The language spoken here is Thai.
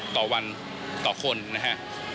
ต่อวันต่อคนนะฮะ